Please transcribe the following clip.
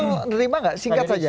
menerima gak singkat saja